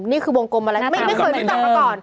นี่คือวงกลมอะไรที่ไม่เคยรู้จักมาก่อน